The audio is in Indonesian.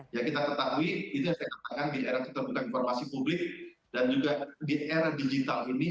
ya kita ketahui itu yang saya katakan di era keterbukaan informasi publik dan juga di era digital ini